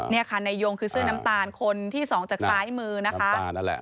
เนี่ยค่ะนายยงคือเสื้อน้ำตาลคนที่๒จากซ้ายมือนะคะ